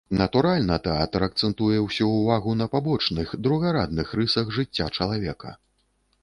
Натуральна, тэатр акцэнтуе ўсю ўвагу на пабочных, другарадных рысах жыцця чалавека.